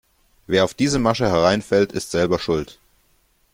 Wer auf diese Masche hereinfällt, ist selber schuld.